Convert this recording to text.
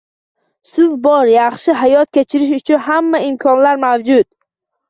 Suv bor, yaxshi hayot kechirish uchun hamma imkonlar mavjud.